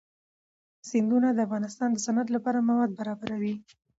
سیندونه د افغانستان د صنعت لپاره مواد برابروي.